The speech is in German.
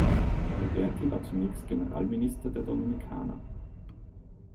Alberti war zunächst Generalminister der Dominikaner.